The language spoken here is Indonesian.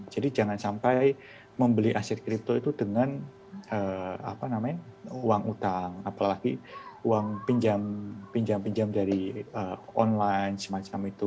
jadi jangan sampai membeli aset kripto itu dengan uang utang apalagi uang pinjam pinjam dari online semacam itu